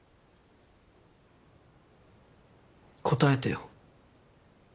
答えてよ。